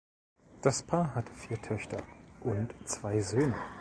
Das Paar hatte vier Töchter und zwei Söhne.